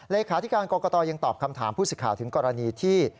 เลขาธิการกรกตยังตอบคำถามผู้สิทธิ์ข่าวถึงกรณีที่